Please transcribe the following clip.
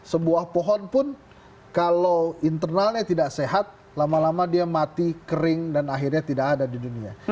sebuah pohon pun kalau internalnya tidak sehat lama lama dia mati kering dan akhirnya tidak ada di dunia